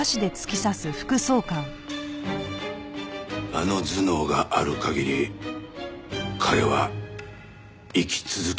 あの頭脳がある限り彼は生き続けるのだからね。